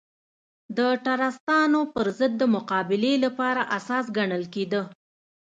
د ټراستانو پر ضد د مقابلې لپاره اساس ګڼل کېده.